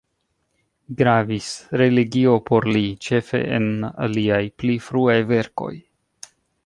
Gravis religio por li, ĉefe en liaj pli fruaj verkoj.